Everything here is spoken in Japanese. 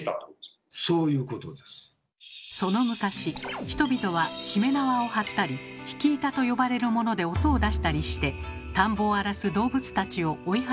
その昔人々はしめ縄を張ったり引板と呼ばれるもので音を出したりして田んぼを荒らす動物たちを追い払っていました。